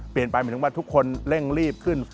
เปลี่ยนไปหมายถึงว่าทุกคนเร่งรีบขึ้น